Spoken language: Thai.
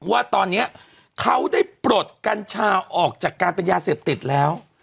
ว่าตอนนี้เขาได้ปลดกัญชาออกจากการเป็นยาเสพติดแล้ว